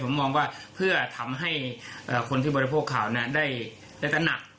ผมมองว่าเพื่อทำให้คนที่บริโภคข่าวได้ตระหนัก